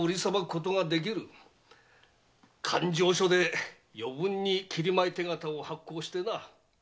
勘定所で余分に切米手形を発行してな。